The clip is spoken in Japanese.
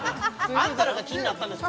あんたらが気になったんでしょ